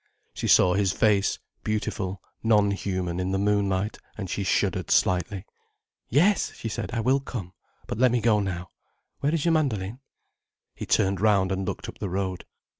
She saw his face, beautiful, non human in the moonlight, and she shuddered slightly. "Yes!" she said. "I will come. But let me go now. Where is your mandoline?" He turned round and looked up the road.